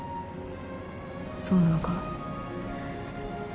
そうなのかも。